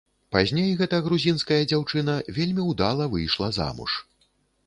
Пазней гэта грузінская дзяўчына вельмі ўдала выйшла замуж.